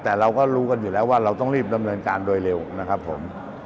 แต่เราก็รู้กันอยู่แล้วว่าเราต้องรีบดำเนินการโดยเร็วนะครับผม